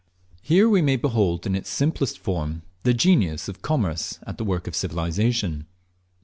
Here we may behold in its simplest form the genius of Commerce at the work of Civilization.